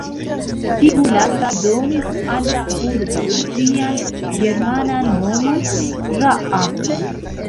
Tiu lasta donis al la urbo ĝian germanan nomon Raab.